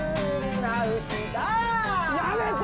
やめて！